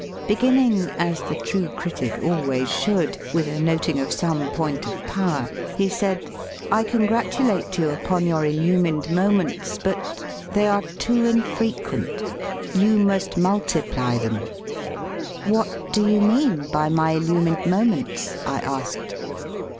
Beginning, as /the true critic always should, with a noting { of some point of power, he said, "I congratu late you upon your illumined moments, but they are too infrequent. You must 86 THE LAW OF APPROACH tiply them." ''What do you mean by my illumined moments?" I asked.